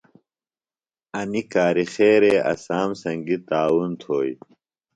اینیۡ کار خیرے اسام سنگیۡ تعاون تھوئی۔